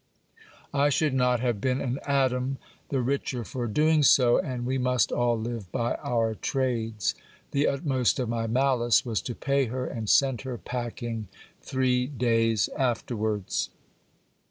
I should not have XAPACIOUSAESS OF THE DOCTORS. 275 been an atom the richer for doing so ; and we must all live by our trades. The utmost of my malice was to pay her and send her packing three days afterwards.